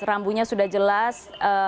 rambunya sudah jelas